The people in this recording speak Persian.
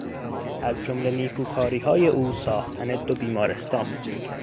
از جمله نیکوکاریهای او ساختن دو بیمارستان بود.